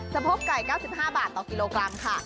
โพกไก่๙๕บาทต่อกิโลกรัมค่ะ